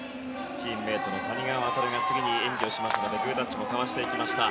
チームメートの谷川航が次に演技をしますのでグータッチを交わしていきました。